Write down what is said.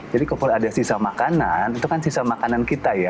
jadi kalau ada sisa makanan itu kan sisa makanan kita ya